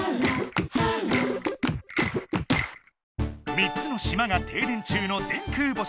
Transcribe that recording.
３つの島がてい電中の電空星。